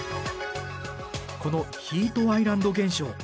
このヒートアイランド現象。